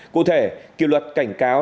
cụ thể kỳ luật cảnh cáo